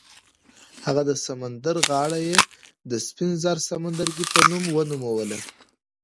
هغه د سمندر غاړه یې د سپین زر سمندرګي په نوم ونوموله.